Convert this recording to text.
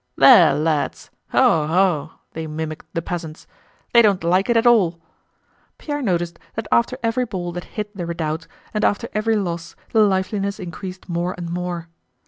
"There, lads... oh, oh!" they mimicked the peasants, "they don't like it at all!" Pierre noticed that after every ball that hit the redoubt, and after every loss, the liveliness increased more and more.